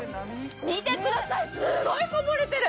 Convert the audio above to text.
見てください、すごいこぼれてる。